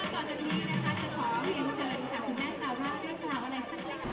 ต่อจากนี้นะคะจะขอเรียนเชิญค่ะคุณแม่ซาว่าเรื่องราวอะไรสักแรก